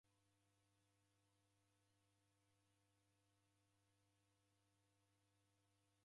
M'baa wa ugho mzi oko na irumirio angu usimagha.